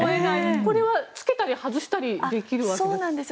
これはつけたり外したりできるわけですか？